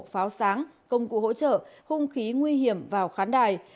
pháo sáng công cụ hỗ trợ hung khí nguy hiểm vào khán đài